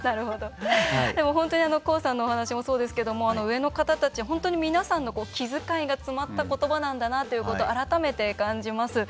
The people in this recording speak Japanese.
本当にＫＯＯさんのお話もそうですけど上の方たち、本当に皆さんの気遣いが詰まった言葉なんだなということを改めて感じます。